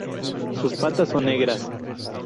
Sus patas son negras.